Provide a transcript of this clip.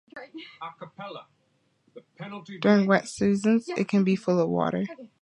During wet seasons, it can be full of water.